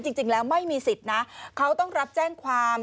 จริงแล้วไม่มีสิทธิ์นะเขาต้องรับแจ้งความ